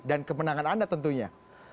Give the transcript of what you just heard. dan kemenangan anda tentunya